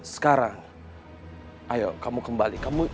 sekarang ayo kamu kembali